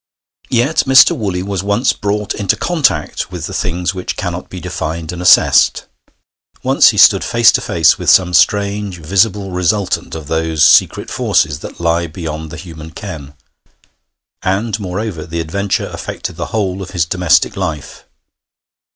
Yet Mr. Woolley was once brought into contact with the things which cannot be defined and assessed; once he stood face to face with some strange visible resultant of those secret forces that lie beyond the human ken. And, moreover, the adventure affected the whole of his domestic life.